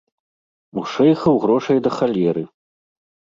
У шэйхаў грошай да халеры.